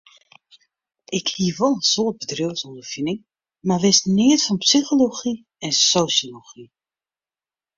Ik hie wol in soad bedriuwsûnderfining, mar wist neat fan psychology en sosjology.